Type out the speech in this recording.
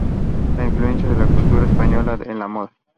La Influencia de la Cultura Española en la Moda".